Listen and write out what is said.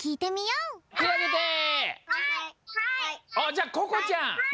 じゃあここちゃん。